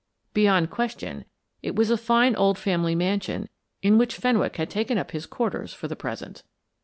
Beyond question, it was a fine old family mansion in which Fenwick had taken up his quarters for the present.